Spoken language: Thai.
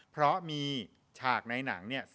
เพราะมีฉากในหนัง